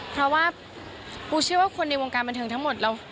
เพราะว่าปูเชื่อว่าคนในวงการบันเทิงทั้งหมดเรา